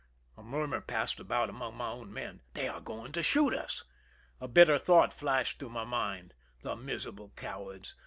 A murmur passed about among my men :" They are going to shoot us." A bitter thought flashed through my mind: "The miserable cowards !